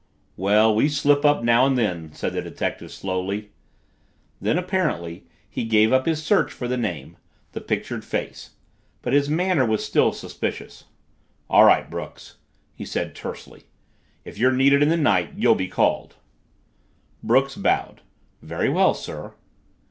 "Well, we slip up now and then," said the detective slowly. Then, apparently, he gave up his search for the name the pictured face. But his manner was still suspicious. "All right, Brooks," he said tersely, "if you're needed in the night, you'll be called!" Brooks bowed. "Very well, sir."